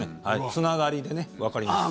つながりでね、わかりますから。